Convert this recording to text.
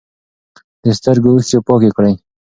د سترګو اوښکې پاکې کړئ.